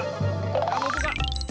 pak kamu buka